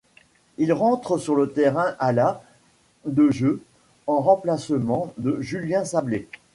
Il rentre sur le terrain à la de jeu en remplacement de Julien Sablé.